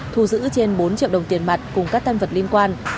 thu giữ trên bốn triệu đồng tiền mặt cùng các tăng vật liên quan